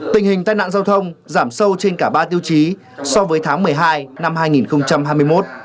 tình hình tai nạn giao thông giảm sâu trên cả ba tiêu chí so với tháng một mươi hai năm hai nghìn hai mươi một